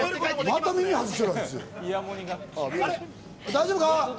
大丈夫か？